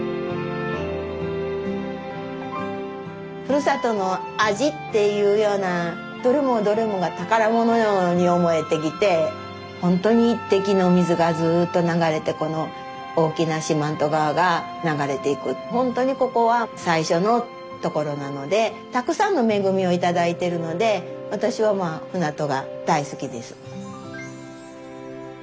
ふるさとの味っていうようなどれもどれもが宝物のように思えてきてほんとに１滴のお水がずっと流れてこの大きな四万十川が流れていくほんとにここは最初のところなのでたくさんの恵みを頂いてるので私はまあ船戸が大好きです。